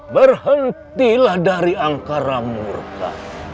berhentilah dari angkara murka